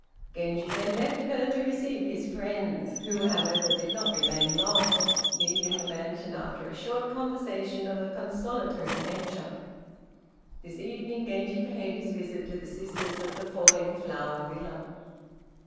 Genji then left her to receive his friends, who, however, did not remain long, leaving the mansion after a short conversation of a consolatory nature. This evening Genji paid his visit to the sisters of the "Falling Flower" villa.